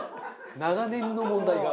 長年の問題が。